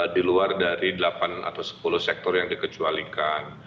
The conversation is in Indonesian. diluar dari delapan atau sepuluh sektor yang dikecualikan